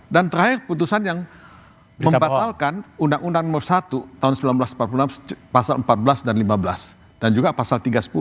dan terakhir putusan yang membatalkan undang undang no satu tahun seribu sembilan ratus empat puluh enam pasal empat belas dan lima belas dan juga pasal tiga sepuluh